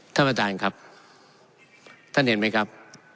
ท่านประธานครับท่านเห็นไหมครับ